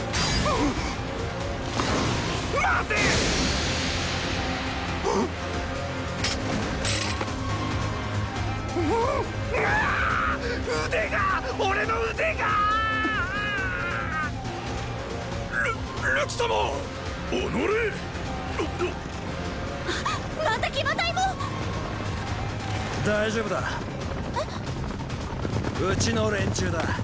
うちの連中だ。